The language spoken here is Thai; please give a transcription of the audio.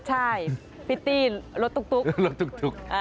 ใช่พลิตตี้รถตุ๊ก